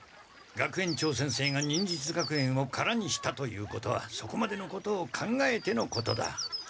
学園長先生が忍術学園を空にしたということはそこまでのことを考えてのことだ。